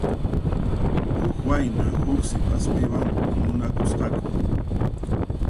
Huk wayna huk sipaspiwan munakusqaku.